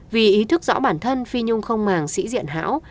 vì ý thức rõ bản thân phi nhung không màng sĩ diện hão